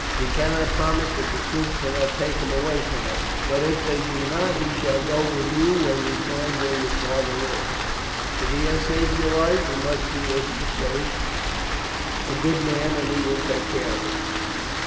We cannot promise that the troops will not take him away from us, but if they do not he shall go with you when we find where your father lives. If he has saved your life, he must be, as you say, a good man, and we will take care of him."